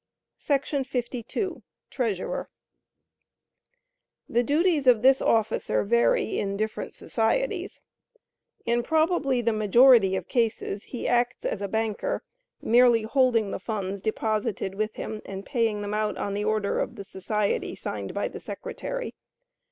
52. Treasurer. The duties of this officer vary in different societies. In probably the majority of cases he acts as a banker, merely holding the funds deposited with him, and paying them out on the order of the society signed by the secretary.